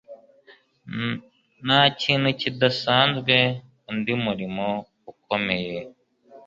Nta kintu kidasanzwe Undi murimo ukomeye